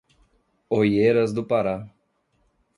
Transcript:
Oeiras do Pará